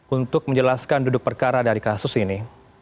untuk menjelaskan duduk perkara dari kasus ini